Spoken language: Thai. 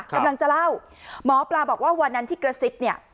กำลังจะเล่าหมอปลาบอกว่าวันนั้นที่กระซิบเนี่ย